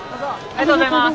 ありがとうございます。